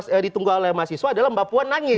yang ditunggu oleh mahasiswa adalah mbak puan nangis